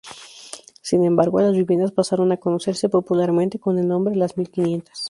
Sin embargo, las viviendas pasaron a conocerse popularmente con el nombre "Las Mil Quinientas".